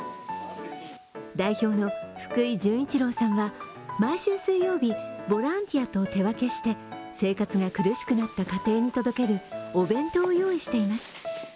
代表の福井潤一郎さんは毎週水曜日、ボランティアとして手分けして生活が苦しくなった家庭に届けるお弁当を用意しています。